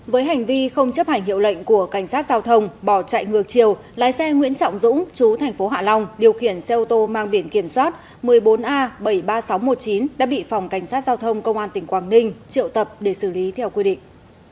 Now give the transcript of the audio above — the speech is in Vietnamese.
với hành vi không chấp hành hiệu lệnh của cảnh sát giao thông bỏ chạy ngược chiều lái xe nguyễn trọng dũng chú thành phố hạ long điều khiển xe ô tô mang biển kiểm soát một mươi bốn a bảy mươi ba nghìn sáu trăm một mươi chín đã bị phòng cảnh sát giao thông công an tỉnh quảng ninh triệu tập để xử lý theo quy định